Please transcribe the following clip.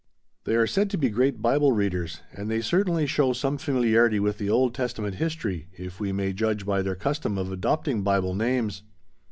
They are said to be great Bible readers, and they certainly show some familiarity with the Old Testament history, if we may judge by their custom of adopting Bible names.